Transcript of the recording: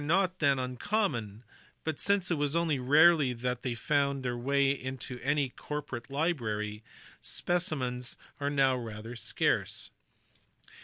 not then uncommon, but, since it was only rarely that they found their way into any corporate library, specimens are now rather scarce.